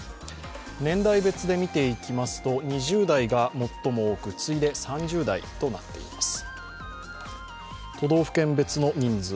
年代別で見ていきますと２０代が最も多く次いで３０代となっています。